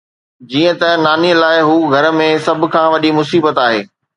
جيئن ته ناني لاء، هوء گهر ۾ سڀ کان وڏي مصيبت آهي.